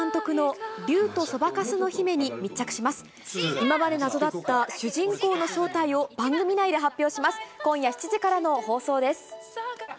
今まで謎だった主人公の正体を、番組内で発表します。